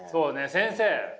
先生